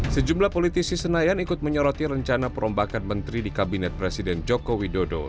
sejumlah politisi senayan ikut menyoroti rencana perombakan menteri di kabinet presiden joko widodo